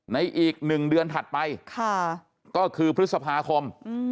อีก๑เดือนถัดไปก็คือพฤษภาคม